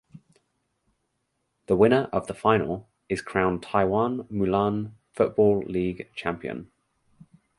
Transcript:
The winner of the final is crowned Taiwan Mulan Football League champion.